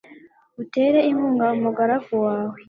utere inkunga umugaragu wawe